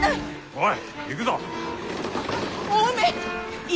おい！